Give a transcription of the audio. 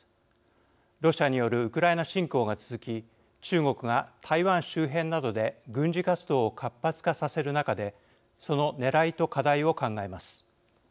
ロシアによるウクライナ侵攻が続き中国が台湾周辺などで軍事活動を活発化させる中でそのねらいと課題を考えます。